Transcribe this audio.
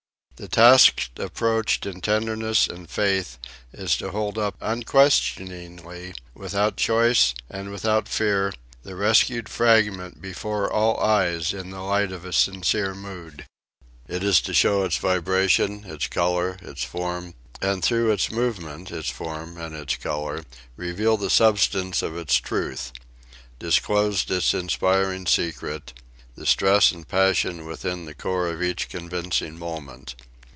The task approached in tenderness and faith is to hold up unquestioningly, without choice and without fear, the rescued fragment before all eyes in the light of a sincere mood. It is to show its vibration, its colour, its form; and through its movement, its form, and its colour, reveal the substance of its truth disclose its inspiring secret: the stress and passion within the core of each convincing moment.